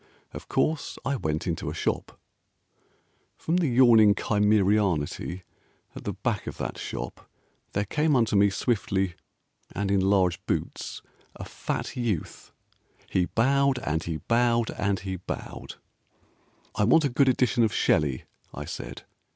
Of course, I went into a shop: From the yawning Cimmerianity at the back of that shop There came unto me swiftly and in large boots A fat youth. He bowed, and he bowed, and he bowed. "I want a good edition of Shelley," I said.